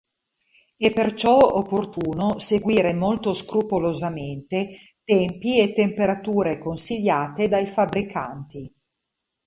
È perciò opportuno seguire molto scrupolosamente tempi e temperature consigliate dai fabbricanti.